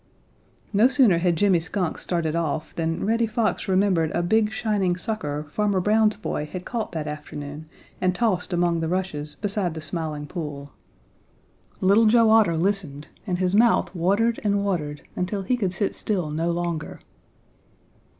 No sooner had Jimmy Skunk started off than Reddy Fox remembered a big shining sucker Farmer Brown's boy had caught that afternoon and tossed among the rushes beside the Smiling Pool. Little Joe Otter listened and his mouth watered and watered until he could sit still no longer.